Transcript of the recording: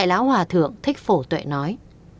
đại lão hòa thượng thích phổ tuệ nói